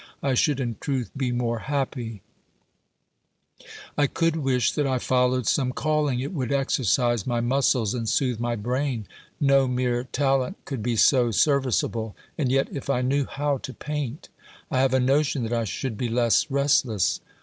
I should in truth be more happy ! I could wish that I followed some calling; it would exercise my muscles and soothe my brain. No mere talent could be so serviceable; and yet if I knew how to paint, I have a notion that I should be less restless.